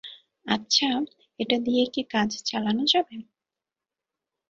আচ্ছা, এটা দিয়ে কি কাজ চালানো যাবে?